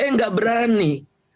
eh nggak berani